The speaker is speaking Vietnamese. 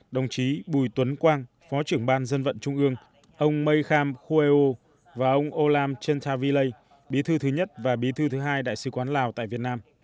đồng chí bùi tuấn quang phó trưởng ban dân vận trung ương ông may kham khoeo và ông olam chantavile bí thư thứ nhất và bí thư thứ hai đại sứ quán lào tại việt nam